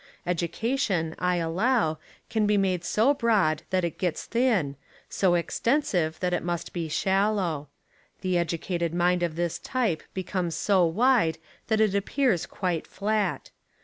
Education, I allow, can be made so broad that it gets thin, so extensive that it must be shallow. The educated mind of this type be comes so wide that it appears quite flat.